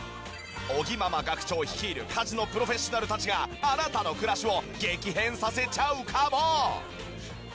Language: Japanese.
尾木ママ学長率いる家事のプロフェッショナルたちがあなたの暮らしを激変させちゃうかも！？